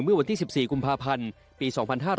เมื่อวันที่๑๔กุมภาพันธ์ปี๒๕๕๙